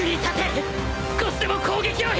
少しでも攻撃を減らせ！